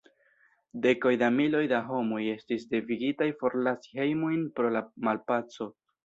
Dekoj da miloj da homoj estis devigitaj forlasi hejmojn pro la malpaco.